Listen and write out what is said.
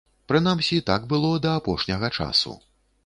Прынамсі, так было да апошняга часу.